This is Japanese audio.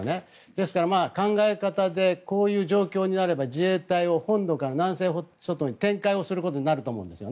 ですから、考え方でこういう状況になれば自衛隊を本土から南西諸島に展開することになると思うんです。